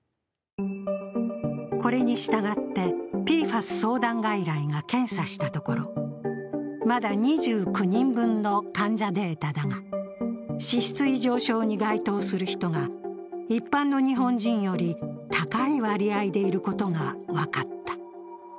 これに従って、ＰＦＡＳ相談外来が検査したところ、まだ２９人分の患者データだが、脂質異常症に該当する人が一般の日本人より高い割合でいることが分かった。